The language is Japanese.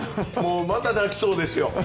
また泣きそうですよ。